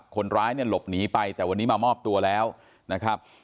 คนร้ายเนี่ยหลบหนีไปแต่วันนี้มามอบตัวแล้วนะครับ